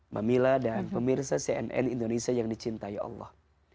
mamila dan pemirsa cnn indonesia yang dicintai allah